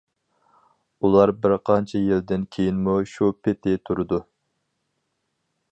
ئۇلار بىر قانچە يىلدىن كېيىنمۇ شۇ پېتى تۇرىدۇ.